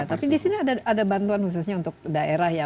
tapi di sini ada bantuan khususnya untuk daerah ya